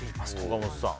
岡本さん